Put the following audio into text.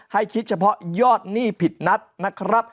ให้คิดเฉพาะยอดหนี้ผิดนัดนะครับ